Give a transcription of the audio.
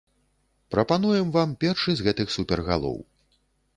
Прапануем вам першы з гэтых супергалоў.